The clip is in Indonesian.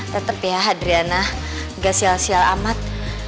tetep ya adriana nggak sial sial amat